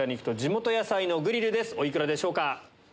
お幾らでしょうか？